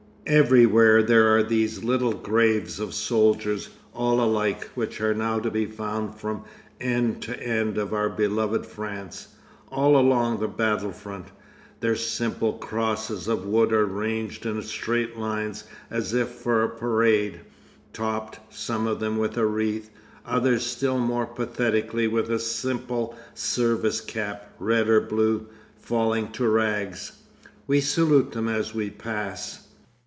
Everywhere there are these little graves of soldiers, all alike, which are now to be found from end to end of our beloved France, all along the battle front; their simple crosses of wood are ranged in straight lines as if for a parade, topped, some of them, with a wreath; others still more pathetically with a simple service cap, red or blue, falling to rags. We salute them as we pass.